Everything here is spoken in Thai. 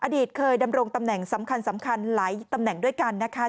อดีตเคยดำรงตำแหน่งสำคัญสำคัญหลายตำแหน่งด้วยกันนะคะ